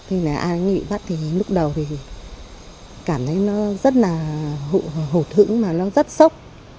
anh ấy bị bắt thì lúc đầu cảm thấy nó rất là hụt hững nó rất sốc